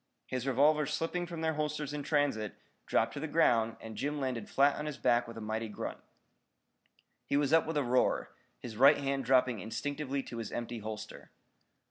His revolvers slipping from their holsters in transit, dropped to the ground and Jim landed flat on his back with a mighty grunt. He was up with a roar, his right hand dropping instinctively to his empty holster.